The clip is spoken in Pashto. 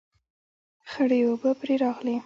خړې اوبه پرې راغلې